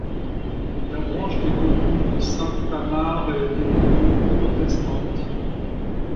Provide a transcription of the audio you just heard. La branche des Colomb de Saint-Thamar est devenue protestante.